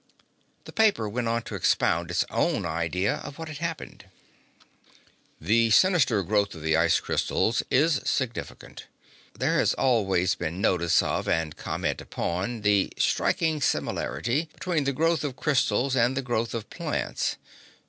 The paper went on to expound its own idea of what had happened: The sinister growth of the ice crystals is significant There has always been notice of and comment upon the striking similarity between the growth of crystals and the growth of plants.